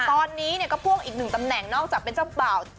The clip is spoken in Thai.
ตอนนี้เนี่ยก็พ่วงอีกหนึ่งตำแหน่งนอกจากเป็นเจ้าบ่าว